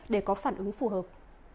để có phản ứng phù hợp